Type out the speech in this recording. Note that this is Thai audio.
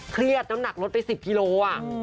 เครียดน้ำหนักลดไป๑๐กิโล